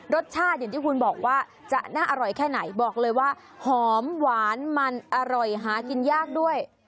รสชาติอย่างที่คุณบอกว่าจะน่าอร่อยแค่ไหนบอกเลยว่าหอมหวานมันอร่อยหากินยากด้วย